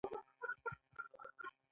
د ګرځندوی صنعت څومره عاید لري؟